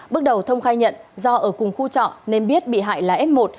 bước đầu thông khai nhận do ở cùng khu trọ nên biết bị hại là f một